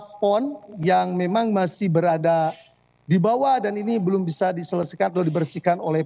ada pohon yang memang masih berada di bawah dan ini belum bisa diselesaikan atau dibersihkan oleh